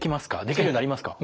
できるようになりますか？